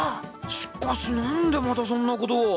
しかしなんでまたそんなことを？